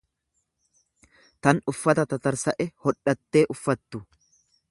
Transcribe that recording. tan uffata tatarsa'e hodhattee uffattu.